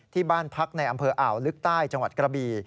ที่บ้านพักในอำเภออ่าวลึกใต้จังหวัดกระบี